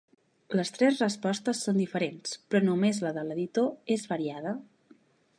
Les tres respostes són diferents, però només la de l'editor és variada.